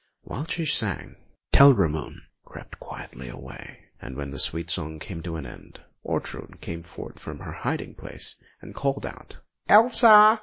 Whilst she sang, Telramund crept quietly away, and when the sweet song came to an end, Ortrud came forth from her hiding place, and called out: "Elsa!"